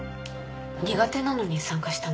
苦手なのに参加したんですか？